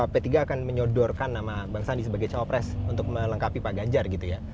p tiga akan menyodorkan nama bang sandi sebagai cawapres untuk melengkapi pak ganjar gitu ya